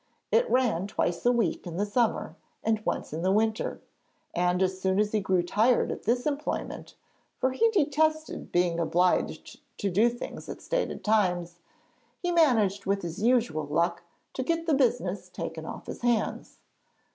It ran twice a week in the summer and once in the winter; and as soon as he grew tired of this employment, for he detested being obliged to do things at stated times, he managed with his usual luck to get the business taken off his hands.